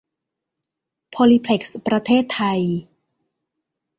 โพลีเพล็กซ์ ประเทศไทย